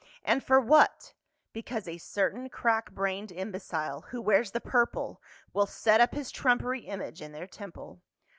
And for what ? because a certain crack brained imbecile, who wears the purple, will set up his trumpery image in their temple.